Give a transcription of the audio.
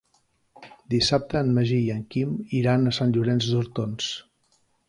Dissabte en Magí i en Quim iran a Sant Llorenç d'Hortons.